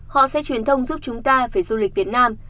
họ sẽ truyền thông giúp chúng ta về du lịch việt nam